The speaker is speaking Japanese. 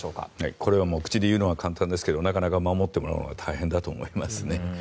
これは口で言うのは簡単ですけどなかなか守ってもらうのは大変だと思います。